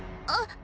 あっ。